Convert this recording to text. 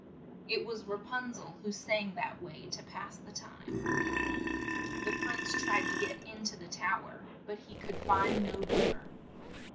It was Ra pun zel, who sang that way to pass the time. The prince tried to get in to the tow er, but he could find no door.